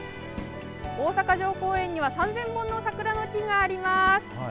大阪城公園には３０００本のサクラの木があります。